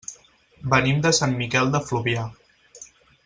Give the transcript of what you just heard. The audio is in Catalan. Venim de Sant Miquel de Fluvià.